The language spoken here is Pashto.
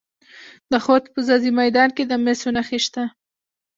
د خوست په ځاځي میدان کې د مسو نښې شته.